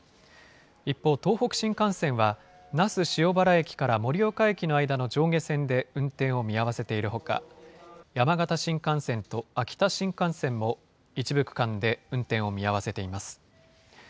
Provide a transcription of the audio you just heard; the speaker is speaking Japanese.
一方、東北新幹線は、那須塩原駅から盛岡駅の間の上下線で運転を見合わせているほか、山形新幹線と秋田新幹線も、一部区間で運転を見合わせています。